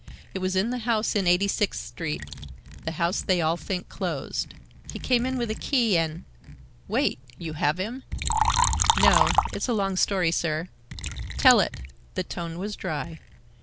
It was in the house in Eighty sixth Street,—the house they all think closed. He came in with a key and—" "Wait! You have him?" "No. It's a long story, sir—" "Tell it!" The tone was dry.